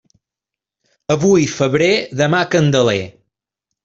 Avui febrer, demà Candeler.